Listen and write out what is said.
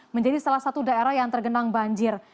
menjadi salah satu daerah yang tergenang banjir